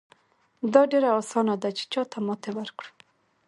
دا ډېره اسانه ده چې چاته ماتې ورکړو.